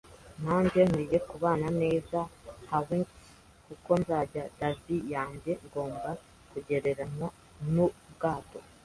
nanjye nkwiye kubana neza, Hawkins, kuko nzajyana davy yanjye ngomba kugereranywa nubwato